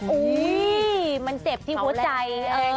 อูววววมันเจ็บที่หัวใจ